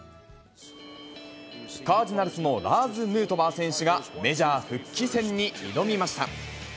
カージナルスのラーズ・ヌートバー選手が、メジャー復帰戦に挑みました。